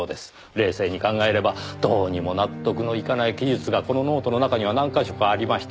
冷静に考えればどうにも納得のいかない記述がこのノートの中には何か所かありました。